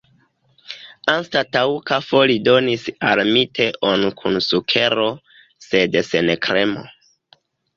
Anstataŭ kafo li donis al mi teon kun sukero, sed sen kremo.